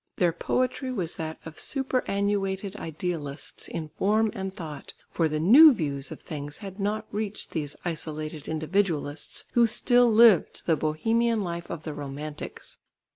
Their poetry was that of superannuated idealists in form and thought, for the new views of things had not reached these isolated individualists who still lived the Bohemian life of the Romantics.